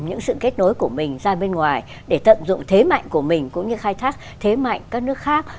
những sự kết nối của mình ra bên ngoài để tận dụng thế mạnh của mình cũng như khai thác thế mạnh các nước khác